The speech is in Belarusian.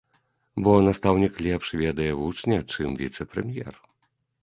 Бо настаўнік лепш ведае вучня, чым віцэ-прэм'ер.